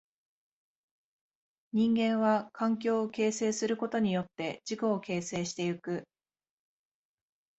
人間は環境を形成することによって自己を形成してゆく。